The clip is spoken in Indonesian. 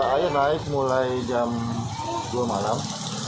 air naik mulai jam dua malam